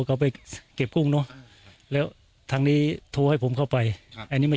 เขาไปเก็บกุ้งเนอะแล้วทางนี้โทรให้ผมเข้าไปครับอันนี้ไม่